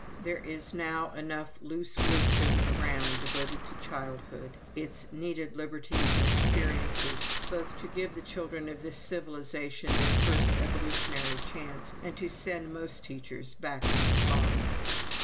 There is now enough loose wisdom around devoted to childhood, its needed liberties and experiences, both to give the children of this civilization their first evolutionary chance, and to send most teachers back to the farm.